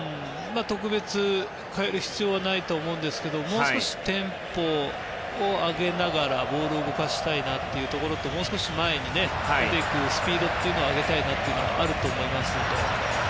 特別、変える必要はないと思いますがもう少しテンポを上げながらボールを動かしたいなというのともう少し前に出て行くスピードを上げたいなというのはあると思います。